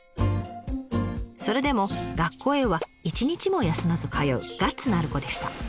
それでも学校へは一日も休まず通うガッツのある子でした。